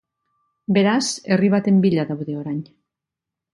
Beraz, herri baten bila daude orain.